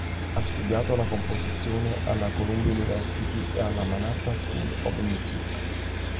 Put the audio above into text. Ha studiato la composizione alla Columbia University e alla Manhattan School of Music.